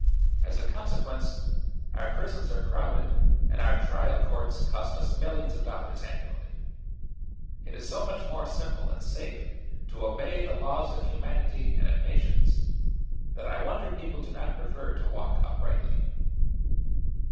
As a consequence, our prisons are crowded and our trial courts cost us millions of dollars annually. It is so much more simple and safe to obey the laws of humanity and of nations, that I wonder people do not prefer to walk uprightly."